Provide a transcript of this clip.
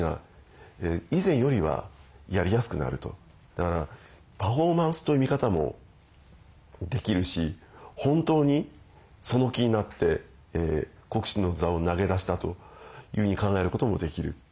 だからパフォーマンスという見方もできるし本当にその気になって国主の座を投げ出したというふうに考えることもできる。